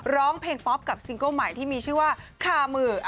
ร้องเพลงป๊อปกับซิงเกิ้ลใหม่ที่มีชื่อว่าคามือ